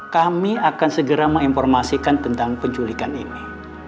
kami akan segera menginformasikan tentang penculikan ini